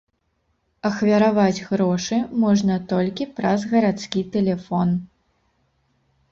Ахвяраваць грошы можна толькі праз гарадскі тэлефон.